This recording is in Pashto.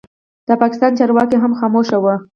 د پاکستان چارواکي هم خاموشه وو.